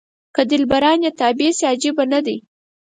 که دلبران یې تابع شي عجب نه دی.